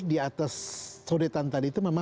di atas sodetan tadi itu memang